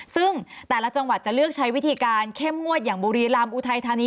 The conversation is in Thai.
ซึ่งแต่ละจังหวัดจะเลือกใช้วิธีการเข้มงวดอย่างบุรีรำอุทัยธานี